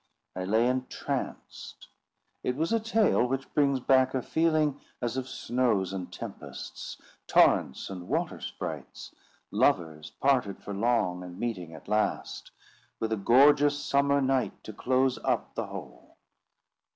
I lay entranced. It was a tale which brings back a feeling as of snows and tempests; torrents and water sprites; lovers parted for long, and meeting at last; with a gorgeous summer night to close up the whole.